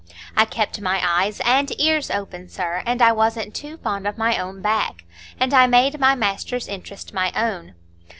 I kept my eyes and ears open, sir, and I wasn't too fond of my own back, and I made my master's interest my own.